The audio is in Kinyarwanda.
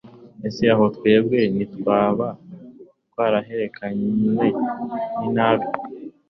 ese aho twebwe ntitwaba twaraheranywe n'inabi